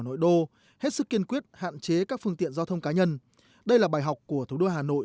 nội đô hết sức kiên quyết hạn chế các phương tiện giao thông cá nhân đây là bài học của thủ đô hà nội